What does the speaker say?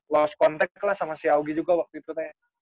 lost contact lah sama si augi juga waktu itu teh